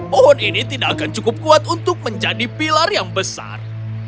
pohon ini tidak akan cukup kuat untuk menjadi pilar yang besar